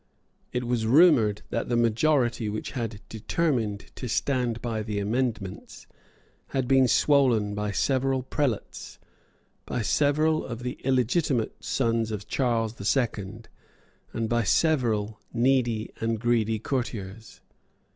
It was rumoured that the majority which had determined to stand by the amendments had been swollen by several prelates, by several of the illegitimate sons of Charles the Second, and by several needy and greedy courtiers.